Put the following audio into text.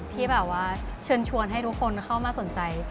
ที่เชิญชวนให้ทุกคนเข้ามาสนใจ